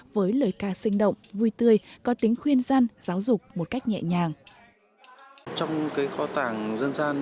với lời ca sinh động vui tươi có tính khuyên gian giáo dục một cách nhẹ nhàng